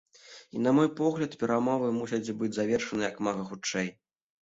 І, на мой погляд, перамовы мусяць быць завершаны як мага хутчэй.